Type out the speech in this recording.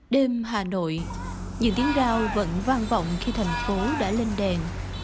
đêm hà nội những tiếng rao vẫn vang vọng khi thành phố đã lên đèn